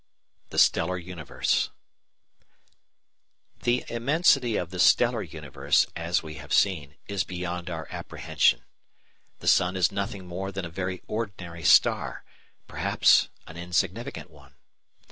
] THE STELLAR UNIVERSE § 1 The immensity of the Stellar Universe, as we have seen, is beyond our apprehension. The sun is nothing more than a very ordinary star, perhaps an insignificant one.